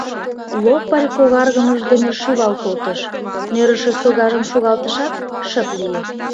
Лопарь когаргымыж дене шӱвал колтыш, нӧрышӧ согажым шогалтышат, шып лие.